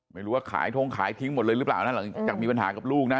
ไม่รู้ว่าขายทงขายทิ้งหมดเลยหรือเปล่านะหลังจากมีปัญหากับลูกนะ